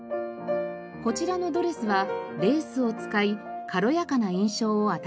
こちらのドレスはレースを使い軽やかな印象を与えています。